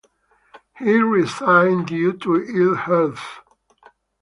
He resigned due to ill health.